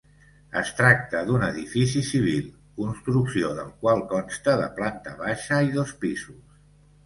Es tracta d'un edifici civil, construcció del qual consta de planta baixa i dos pisos.